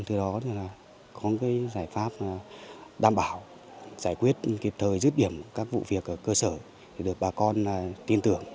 từ đó là có cái giải pháp đảm bảo giải quyết kịp thời dứt điểm các vụ việc ở cơ sở được bà con tin tưởng